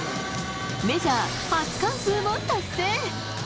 メジャー初完封も達成。